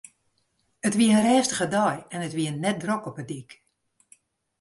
It wie in rêstige dei en it wie net drok op 'e dyk.